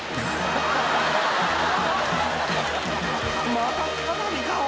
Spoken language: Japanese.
［また花火か⁉おい！］